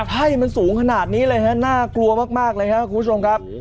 ไพ่มันสูงขนาดนี้เลยฮะน่ากลัวมากเลยครับคุณผู้ชมครับ